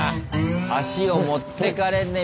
足を持ってかれんね。